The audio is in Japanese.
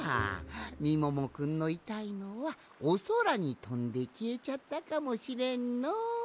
みももくんのいたいのはおそらにとんできえちゃったかもしれんのう。